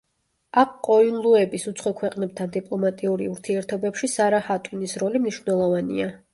აყ-ყოინლუების უცხო ქვეყნებთან დიპლომატიური ურთიერთობებში სარა ჰატუნის როლი მნიშვნელოვანია.